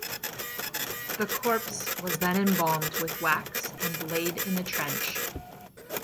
The corpse was then embalmed with wax and laid in a trench.